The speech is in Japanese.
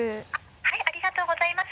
ありがとうございます。